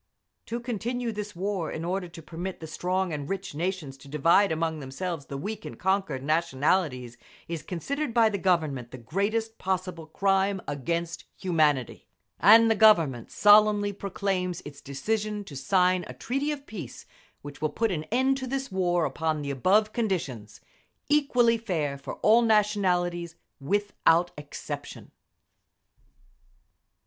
To continue this war in order to permit the strong and rich nations to divide among themselves the weak and conquered nationalities is considered by the Government the greatest possible crime against humanity; and the Government solemnly proclaims its decision to sign a treaty of peace which will put an end to this war upon the above conditions, equally fair for all nationalities without exception.